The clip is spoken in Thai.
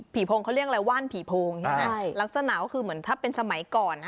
โพงเขาเรียกอะไรว่านผีโพงใช่ไหมใช่ลักษณะก็คือเหมือนถ้าเป็นสมัยก่อน